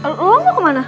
lo mau kemana